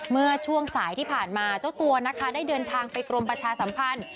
เมื่อช่วงสายที่ผ่านมาเจ้าตัวนะคะได้เดินทางไปกรมประชาสัมพันธ์